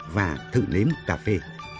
và thử nếm cà phê